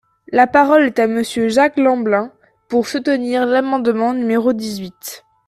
La parole est à Monsieur Jacques Lamblin, pour soutenir l’amendement numéro dix-huit.